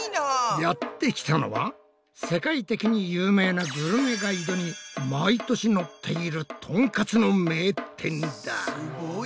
やってきたのは世界的に有名なグルメガイドに毎年載っているすごい。